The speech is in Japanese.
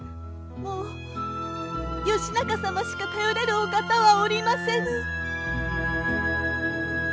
もう義仲様しか頼れるお方はおりませぬ！